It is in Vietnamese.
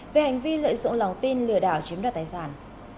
về hành vi lợi dụng lòng tin lừa đảo chiếm đoạt tài sản